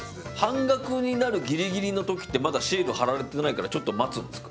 半額になるギリギリの時ってまだシール貼られてないからちょっと待つんですか？